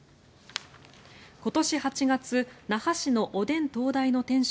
今年８月那覇市のおでん東大の店主